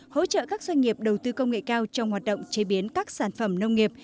hỗ trợ các doanh nghiệp đầu tư công nghệ cao trong hoạt động chế biến các sản phẩm nông nghiệp